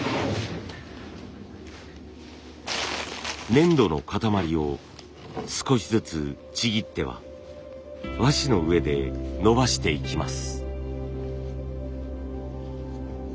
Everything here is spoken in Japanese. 粘土の塊を少しずつちぎっては和紙の上でのばしていきます。